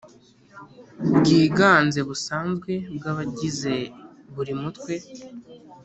Bwiganze busanzwe bw’abagize buri Mutwe